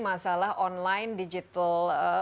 masalah online digital